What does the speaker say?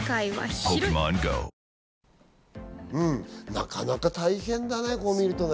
なかなか大変だね、こう見るとね。